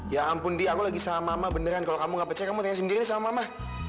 ya ampun di aku lagi sama mama beneran kalau kamu gak percaya kamu tanya sendiri sama mama